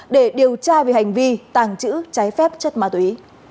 để điều tra về hành vi tàng trữ trái phép chất ma túy